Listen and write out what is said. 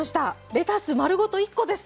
レタス丸ごと１コですか？